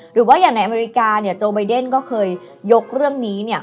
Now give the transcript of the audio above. หรือว่าอย่างในอเมริกาเนี่ยโจไบเดนก็เคยยกเรื่องนี้เนี่ย